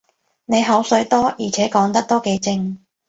你口水多，而且講得都幾正